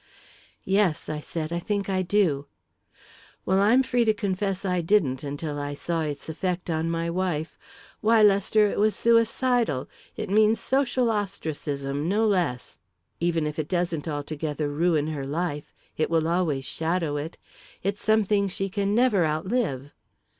"Yes," I said; "I think I do." "Well, I'm free to confess I didn't until I saw its effect on my wife. Why, Lester, it was suicidal it means social ostracism no less. Even if it doesn't altogether ruin her life, it will always shadow it. It's something she can never outlive."